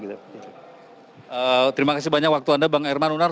terima kasih banyak waktu anda bang herman unar